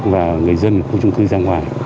và người dân khu trung cư ra ngoài